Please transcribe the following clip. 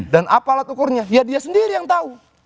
dan apa alat ukurnya ya dia sendiri yang tahu